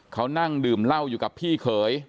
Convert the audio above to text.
เขานั่งดื่มเหล้าอยู่กับพี่เขย